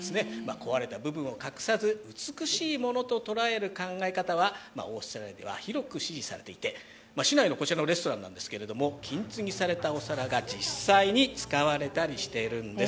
壊れた部分を隠さず美しいものと捉える考え方はオーストラリアでは広く支持されていて、市内のこちらのレストランなんですけど金継ぎされたお皿が実際に使われたりしているんです。